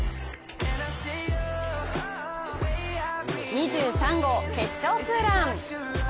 ２３号、決勝ツーラン。